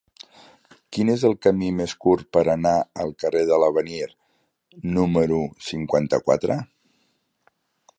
Quin és el camí més curt per anar al carrer de l'Avenir número cinquanta-quatre?